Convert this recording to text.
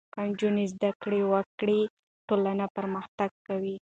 که نجونې زده کړې وکړي ټولنه پرمختګ کوي.